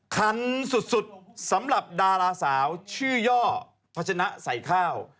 คันสุดสำหรับดาราสาวชื่อย่อพัชนะใส่ข้าว